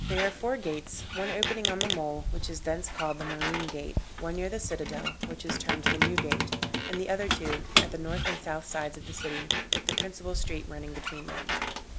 There are four gates; one opening on the mole, which is thence called the marine gate, one near the citadel, which is termed the new gate; and the other two, at the north and south sides of the city, with the principal street running between them.